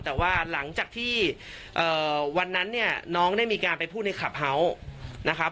แต่ว่าหลังจากที่วันนั้นเนี่ยน้องได้มีการไปพูดในคลับเฮาส์นะครับ